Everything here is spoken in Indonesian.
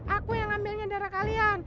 aku yang ngambilnya darah kalian